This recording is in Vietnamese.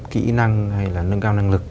kỹ năng hay là nâng cao năng lực